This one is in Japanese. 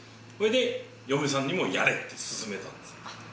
それで嫁さんにもやれって勧めたんですよ。